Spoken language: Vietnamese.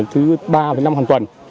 thứ ba năm hàng tuần